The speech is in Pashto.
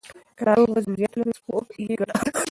که ناروغ وزن زیات ولري، سپورت یې ګټور دی.